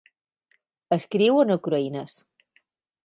Escriu en ucraïnès.